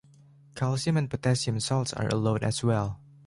Calcium and potassium salts are allowed as well.